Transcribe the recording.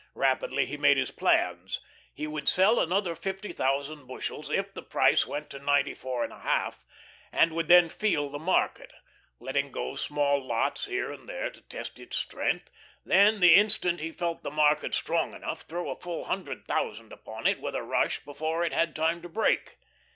Rapidly he made his plans. He would sell another fifty thousand bushels if the price went to ninety four and a half, and would then "feel" the market, letting go small lots here and there, to test its strength, then, the instant he felt the market strong enough, throw a full hundred thousand upon it with a rush before it had time to break.